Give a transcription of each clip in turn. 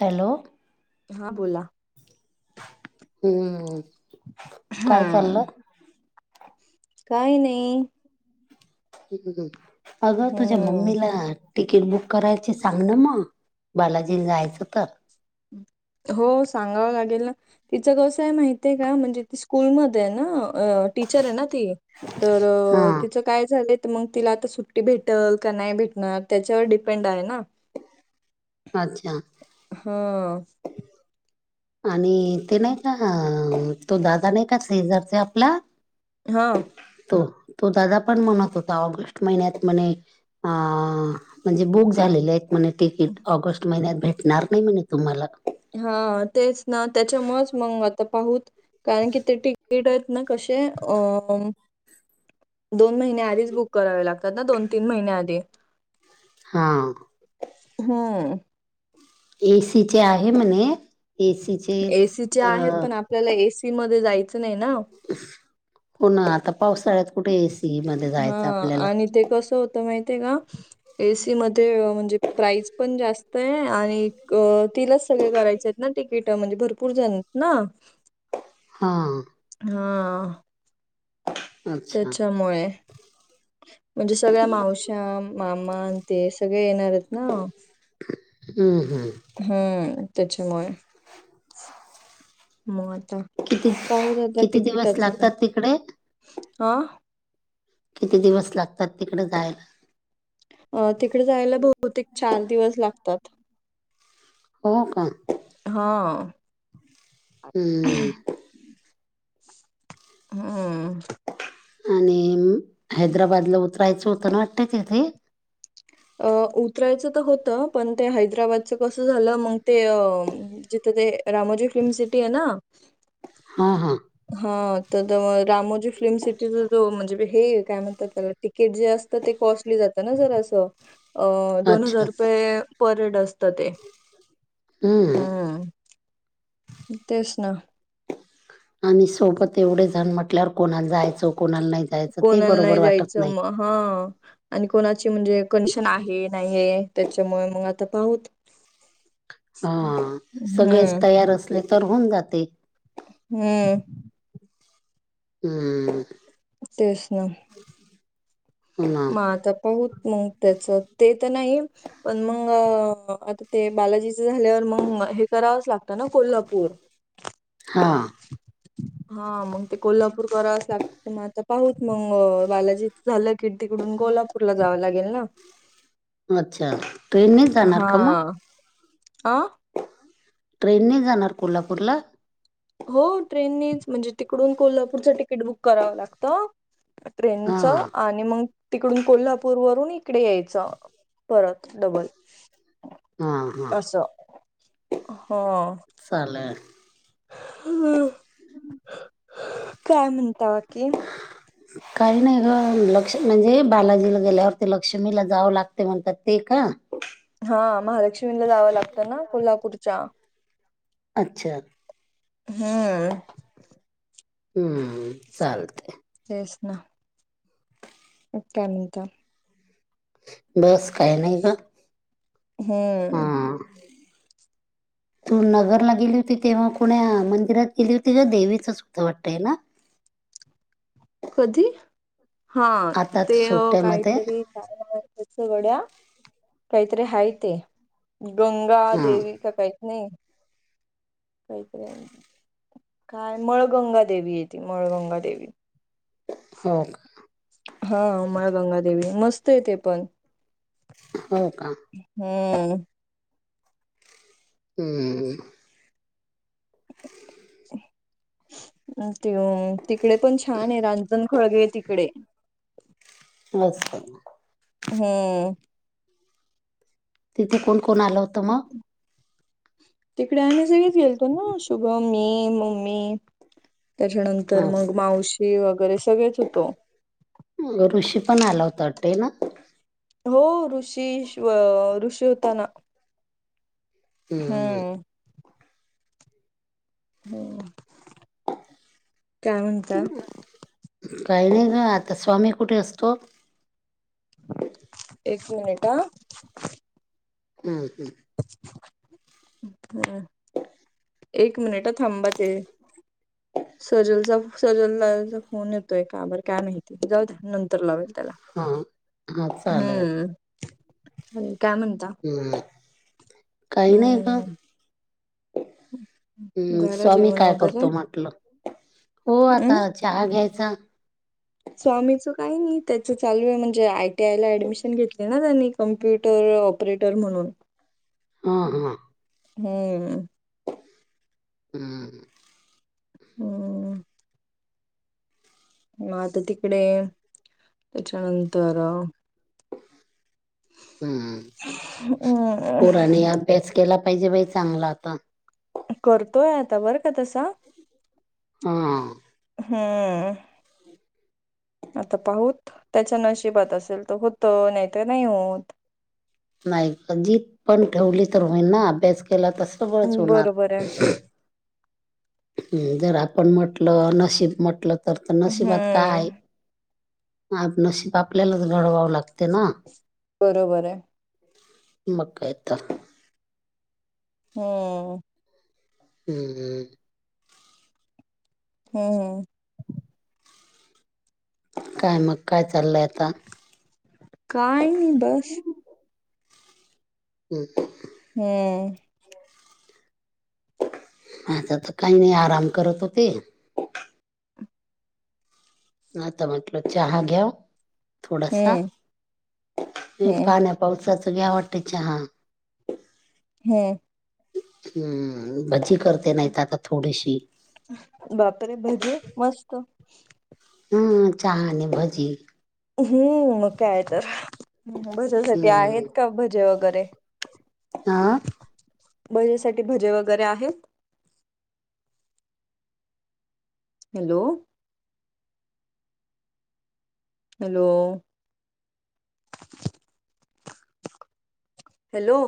Hello. हा बोला. हम् काय हा चाललं. काही नाही. अगं तुझ्या हम्म. मम्मीला. तिकीट बुक करायची सांग ना मग बालाजी जायचं तर. हो सांगावं लागेल ना. तिचं कसय माहित आहे का म्हणजे ती स्कूलमध्ये ना. टीचर आहे ना ती तर हा तिच. काय झालंय तर मग तिला आता सुट्टी भेटल का नाही भेटणार त्याच्यावर डिपेंड आहे ना. अच्छा. हा. आणि ते नाही का तो दादा नाही का शेजारचा आपला. हा तो तो दादा पण म्हणत होता ऑगस्ट महिन्यात म्हणे अ म्हणजे बुक झालेले आहेत. म्हणे तिकीट ऑगस्ट महिन्यात भेटणार नाही म्हणे तुम्हाला. हा तेच ना त्याच्यामुळेच मग आता पाहूत कारण की ते तिकीट आहेत. ना कसे. दोन महिने्या आधीच बुक करावे लागतात ना दोन तीन महिन्या आधी. हा. हम्म. एसीचे आहे म्हणे एसीचे एसीचे अ. आहेत पण आपल्याला एसी मध्ये जायचं नाही ना. हो ना आता पावसाळ्यात कुठे एसी मध्ये हा जायचं आपल्याला. आणि ते कसं होत. माहितय आहे का एसी मध्ये म्हणजे प्राईस पण जास्त आहे आणि. तिलाच सगळे करायचे आहेत ना तिकिट म्हणजे भरपूर जण ना. हां. हा अच्छा त्याच्यामुळे म्हणजे सगळ्या मावश्या मामा ते सगळे येणार आहेत ना हम् हम् हम्म त्यांच्यामुळेच मग आता किती पाहू आता किती दिवस तिकिटाच का लागतात तिकडे आं किती दिवस लागतात तिकडे जायला अ तिकडे जायला बहुतेक चार दिवस लागतात हो का हा हम्म हम्म. आणि हैदराबाद ला उतरायचं होतं ना वाटतय तेथे. अ उतरायचं तर होतं पण ते हैदराबादच कसं झालं मग ते अ जिथं ते रामोजी फिल्म सिटी आहे ना हां हां हा तर रामोजी फिल्म सिटीचा जो म्हणजे हे काय म्हणतात त्याला तिकीट जे असतं ते कॉस्टली जातं ना जरा असं अ दोन अच्छा हजार रुपये पर हेड असत ते हम्म तेच ना आणि सोबत एवढे जण म्हटल्यावर कोणाला जायचं कोणाला नाही जायचं ते कोणाला बरोबर नाही वाटत जायचं नाही मग हा आणि कोणाची म्हणजे कंडीशन आहे नाही आहे त्याच्यामुळे मग आता पाहत. हा सगळेच हम्म तयार असले तर होऊन जाते. हम्म. हम्म. तेच ना. अ. म आता पाहत मग त्याच ते तर नाही. पण मग आता ते बालाजीच झाल्यावर मग हे करावंच लागतं ना कोल्हापूर हा. हा मग ते कोल्हापूर करावच लागत मग आता पाहत मग बालाजी झालं. कि तिकडून कोल्हापूर ला जावं लागेल ना. अच्छा. ट्रेननेच जाणार हा का मग अ. ट्रेनने जाणार कोल्हापूरला हो ट्रेननेच म्हणजे तिकडून कोल्हापूरचं तिकीट बुक करावं लागतं. हा ट्रेनच आणि मग तिकडून कोल्हापूर वरून एक इकडे यायचं परत डबल हा हा अस. हा. चाले. हम काय म्हणतावा की ह्. काही नाही ग लक्ष् म्हणजे बालाजीला गेल्यावरती लक्ष्मीला जावं लागते म्हणतात ते का? हा महालक्ष्मीला जावं लागतं ना कोल्हापूरच्या अच्छा. हम्. हम्म चालते. तेसना अ कानंत बस काय नाही का? हम्म. [unintelligible] तू नगरला गेली होती तेव्हा कोुण्या मंदिरात गेली होती का देवीचं सुद्धा वाटतंय ना. कधी हा आता ते सुट्ट्यामध्ये काहीतरी गड्या काैत्रे हायतेे. गंगा हा देवी का काहीच नाही. काहीत काय मळगंगा देवी येते मळगंगा देेवी हो. हामाळ गंगादेवी मस्त आहे ते पण हो का? हम्म. हम्म. ह. ते तिकडे पण छान आहे रांजण खळगे तिकडे बस्. हा. तिथे कोण कोण आलं होतं मग तिकडे आम्ही सगळीच गेलतो ना शुभम मी म्मी मी त्याच्यानंतर मग असं मावशी वगैरे सगळेच होतो. ग ऋषी पण आला होता ते ना. हो ऋषी ऋषी होता ना. हा. हम्म हो काय म्हणता. काही नाही ग आता स्वामी कुठे असतो. एक मिनिट ह. हम्म हम्म. हम्. एक मिनिट थांबात सजलचा सजला फोन येतोय काबर काय माहिती जाऊ द नंतर लावायच. हा हा चालेल हम्म चालेल काय म्हणता. ह काही नाहीय का? हम्म हम् झालं स्वामी जेवण काय वगैरे करतो म्हटलं. हो आता चहा घ्यायचा. सो आम्हीच काही नाही त्याच चालू आहे म्हणजे आयटी आय ला ऍडमिशन घेतली ना त्यांनी कम्प्युटर ऑपरेटर म्हणून हां हां. हम्म. हम्म. हम. ह आता तिकडे त्याच्यानंतर हम्. हम्. अभ्यास केला पाहिजे बाई चांगला तर करतोय आता बरं का तसा हा. हम्म. आता पाहूत त्याच्या नशिबात असेल तर होतं नाहीत नाही होत. नाही जीत पण ठेवली तर होईल ना अभ्यास केला तर सगळच होणार. बरोबर आहे हम जर आपण म्हटलं नशिब मटलं तर तर नशीबात काय? हम्म नशीब आपल्यालाच घडवावं लागते ना. बरोबर आहे मक काय तर हो. हम् हम. हा हा. काय मग काय चाललंय आता का [unintelligible] बस. हम्. हम्म. माझा तर काही नाही आराम करत होते. हता मटल चहा घ्याव थोडासा हम्म हम्म पाण्या पावसाचं घ्या वाटते च हा. हम्म. हम्म भजी करते नाहीत आता थोडीशी बापरे भजे मस्त ह चहा आणि भजी हम्म मग कायय तर भज्यासाठी हम्म आहेतच का भजे वगेरे [unintelligible] हा. भजेसाठी भजे वगेरे आहेत. हॅलो. हॅलो. हॅलो.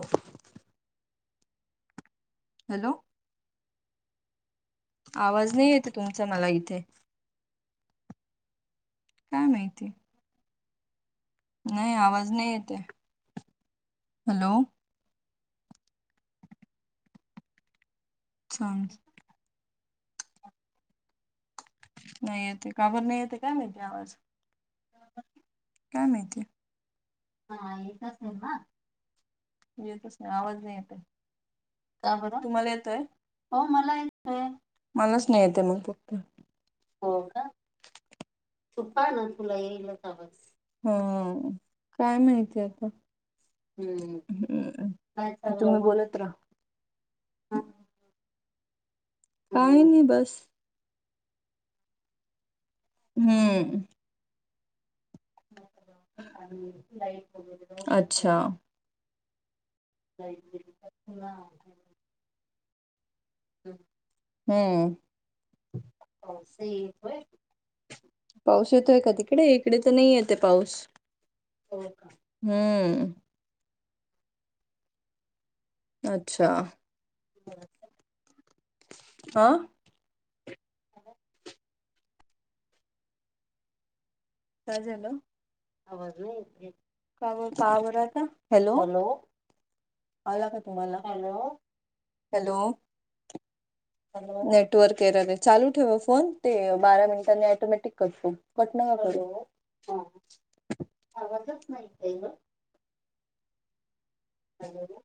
हॅलो. आवाज नाइ येतय तुमचा मला इथे? काय माहिती? नाइ आवाज नाइ येतेय हॅलो अच्छा. नाइ येते काबर नाइ येते काय माइती आवाज काय माइती हा एकेतच आहे ना येतच नाइ आवाज नाइ येतय का बरं तुम्हाला येतोय? हो मला येतोय मलाच नाइ येते मग फक्त [unintelligible] तु पाहाना तुला येईलच आवाज. हा काय माहिती आता हम्म का तुम्ही बोलत राहा [unintelligible] काही नाही बस हम्म. अच्छा नाही ना [unintelligible] हम्म. पाऊस येतोय का तिकडे इकडे तर नइ येतेये पाऊस. हम्म. अच्छा आ काय झालं? आवाज नाही येते. आला का तुम्हाला हॅलो, हॅलो, ह [unintelligible] नेटवर्क केर आहे चालू ठेव फोन ते बारा मिनिटांनी ऑटोमॅटिक कटू कट नाही होणार तो हा आवरत नाही का ग हॅलो.